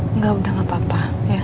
enggak udah gak apa apa